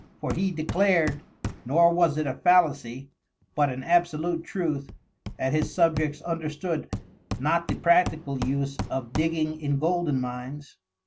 For he declar'd (nor was it a Fallacie, but an absolute Truth,) that his Subjects understood not the practical use of digging in Golden Mines.